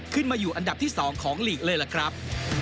ขึ้นมาอยู่อันดับที่๒ของลีกเลยล่ะครับ